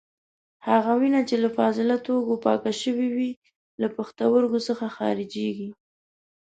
هغه وینه چې له فاضله توکو پاکه شوې وي له پښتورګو څخه خارجېږي.